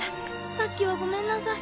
さっきはごめんなさい。